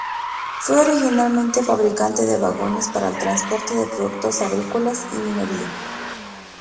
Fue originalmente fabricante de vagones para el transporte de productos agrícolas y minería.